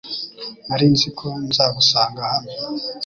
Nari nzi ko nzagusanga hano .